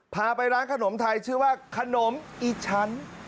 พาไปร้านขนมไทยชื่อว่าขนมอีฉัน